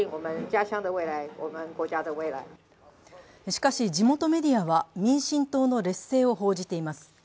しかし、地元メディアは民進党の劣勢を報じています。